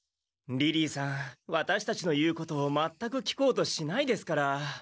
リリーさんワタシたちの言うことを全く聞こうとしないですから。